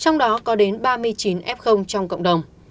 nó có đến ba mươi chín f trong cộng đồng